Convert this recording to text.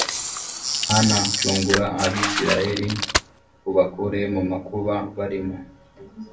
mana cungura abisirayeli ubakure mu makuba barimo.